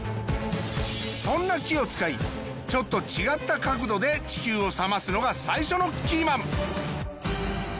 そんな木を使いちょっと違った角度で地球を冷ますのが最初のキーマン。